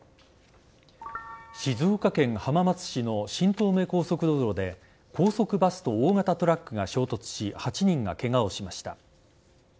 静岡県浜松市の新東名高速道路で高速バスと大型トラックが衝突し８人がケガをしました。